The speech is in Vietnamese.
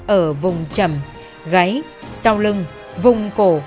ở vùng trầm gáy sau lưng vùng cổ